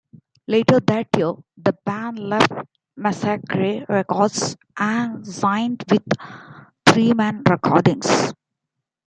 Later that year, the band left Massacre Records and signed with Threeman Recordings.